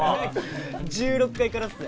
１６階からっす。